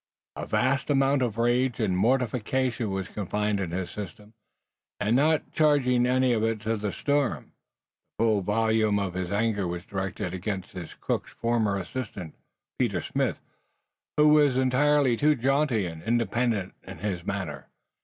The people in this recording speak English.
A vast amount of rage and mortification was confined in his system, and not charging any of it to the storm, the full volume of his anger was directed against his cook's former assistant, Peter Smith, who was entirely too jaunty and independent in his manner.